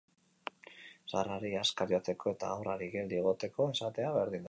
Zaharrari azkar joateko eta haurrari geldi egoteko esatea berdin da.